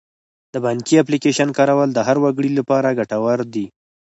د بانکي اپلیکیشن کارول د هر وګړي لپاره ګټور دي.